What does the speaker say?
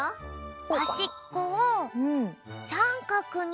はしっこをさんかくに。